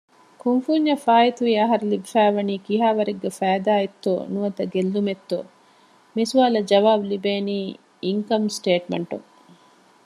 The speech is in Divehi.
ކުންފުންޏަށް ފާއިތުވި އަހަރު ލިބިފައިވަނީ ކިހާވަރެއްގެ ފައިދާ އެއްތޯ ނުވަތަ ގެއްލުމެއްތޯ؟ މިސުވާލަށް ޖަވާބު ލިބެނީ އިންކަމް ސޓޭޓްމަންޓުން